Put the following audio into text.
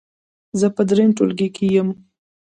زه په دریم ټولګي کې یم.